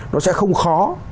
nó sẽ không khó